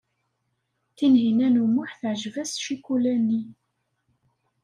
Tinhinan u Muḥ teɛjeb-as ccikula-nni.